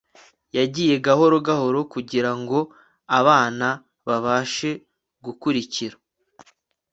yagiye gahoro gahoro kugirango abana babashe gukurikira